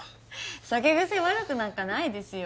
酒癖悪くなんかないですよ